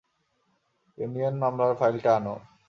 Union মামলার ফাইলটা আনো।